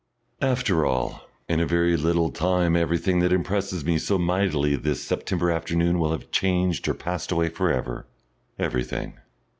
After all, in a very little time everything that impresses me so mightily this September afternoon will have changed or passed away for ever, everything.